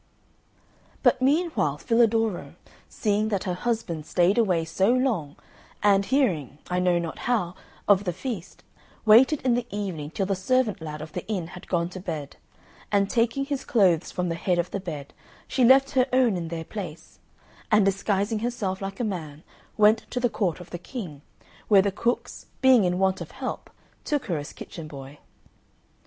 But meanwhile Filadoro, seeing that her husband stayed away so long and hearing (I know not how) of the feast, waited in the evening till the servant lad of the inn had gone to bed, and taking his clothes from the head of the bed, she left her own in their place, and disguising herself like a man, went to the court of the king, where the cooks, being in want of help, took her as kitchen boy.